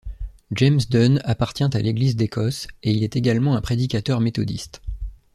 James Dunn appartient à l'Église d'Écosse et il est également un prédicateur méthodiste.